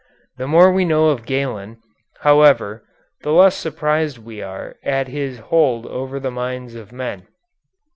The more we know of Galen, however, the less surprised are we at his hold over the minds of men.